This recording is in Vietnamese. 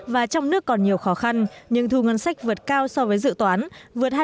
và trong nước còn nhiều khó khăn nhưng thu ngân sách vượt cao so với dự toán vượt hai